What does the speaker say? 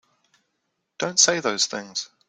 Don't say those things!